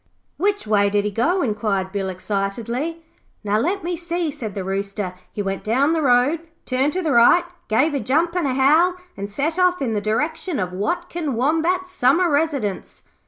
'Which way did he go?' inquired Bill excitedly. 'Now, let me see,' said the Rooster. 'He went down the road, turned to the right, gave a jump and a howl, and set off in the direction of Watkin Wombat's summer residence.'